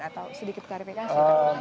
atau sedikit klarifikasi